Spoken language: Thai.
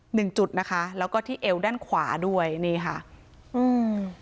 หนึ่งจุดนะคะแล้วก็ที่เอวด้านขวาด้วยนี่ค่ะอืม